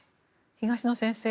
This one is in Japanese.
東野先生